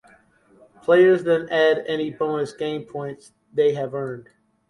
Players then add any bonus game points they have earned.